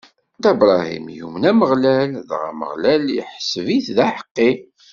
Dda Bṛahim yumen Ameɣlal, dɣa Ameɣlal iḥesb-it d aḥeqqi.